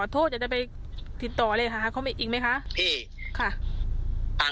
โทษอยากจะไปติดต่อเลยค่ะเขามีอีกไหมคะพี่ค่ะฟัง